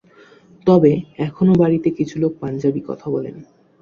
তবে, এখনও বাড়িতে কিছু লোক পাঞ্জাবি কথা বলেন।